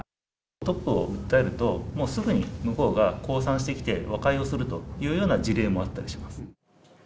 トップを訴えると、もうすぐに向こうが降参してきて、和解をするというような事例もあったりします。